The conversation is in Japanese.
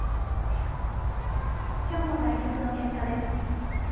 今日の対局の結果です。